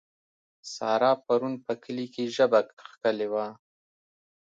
سارا پرون په کلي کې ژبه کښلې وه.